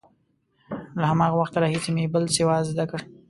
له هماغه وخته راهیسې مې بل سواد زده کړ.